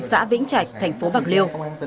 xã vĩnh trạch thành phố bạc liêu